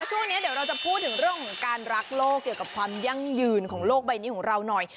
ช่วงนี้เดี๋ยวเราจะพูดถึงเรื่องของการรักโลกเกี่ยวกับความยั่งยืนของโลกใบนี้ของเราหน่อย